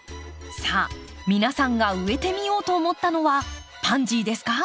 さあ皆さんが植えてみようと思ったのはパンジーですか？